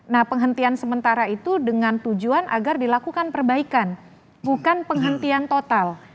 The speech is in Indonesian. nah penghentian sementara itu dengan tujuan agar dilakukan perbaikan bukan penghentian total